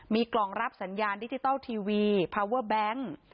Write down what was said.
มีกล่องรับสัญญาณดิจิทัลทีวีพาวเวอร์แบงค์